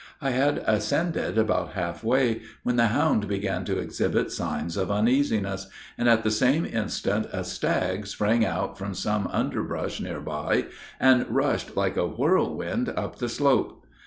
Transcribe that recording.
I had ascended about half way, when the hound began to exhibit signs of uneasiness, and, at the same instant a stag sprang out from some underbrush near by, and rushed like a whirlwind up the slope.